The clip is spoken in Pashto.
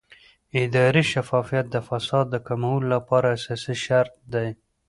اداري شفافیت د فساد د کمولو لپاره اساسي شرط دی